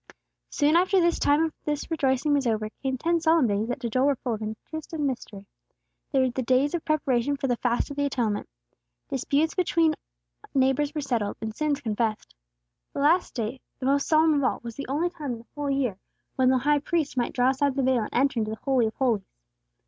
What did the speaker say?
Soon after the time of this rejoicing was over, came ten solemn days that to Joel were full of interest and mystery. They were the days of preparation for the Fast of the Atonement. Disputes between neighbors were settled, and sins confessed. The last great day, the most solemn of all, was the only time in the whole year when the High Priest might draw aside the veil, and enter into the Holy of Holies.